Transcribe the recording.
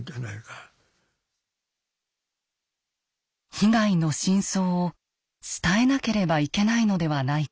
被害の真相を伝えなければいけないのではないか。